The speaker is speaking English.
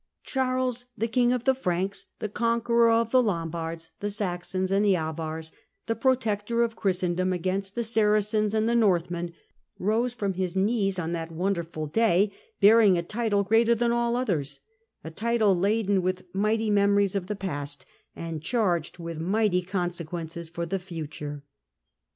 ' Charles, the king of the Franks, the conqueror of the Lombards, the Saxons, and the Avars, the protector of Christendom against the Saracens and the Northmen, rose from his knees, on that wonderful day, bearing a title greater than all others — a title laden with mighty memories of the past, and charged with mighty consequences for the future.